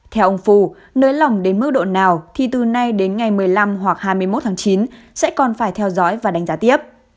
theo ông phù nới lỏng đến mức độ nào thì từ nay đến ngày một mươi năm hoặc hai mươi một tháng chín sẽ còn phải theo dõi và đánh giá tiếp